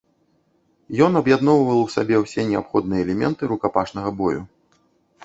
Ён аб'ядноўваў у сабе ўсе неабходныя элементы рукапашнага бою.